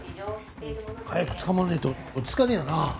早く捕まんねえと落ち着かねえよな。